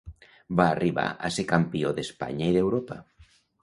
Va arribar a ser campió d'Espanya i d'Europa.